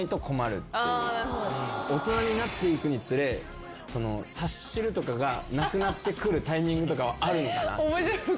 大人になっていくにつれ察しるとかがなくなってくるタイミングとかはあるのかなっていう。